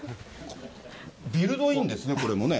ビルドインですね、これも。